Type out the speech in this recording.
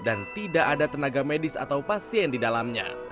dan tidak ada tenaga medis atau pasien di dalamnya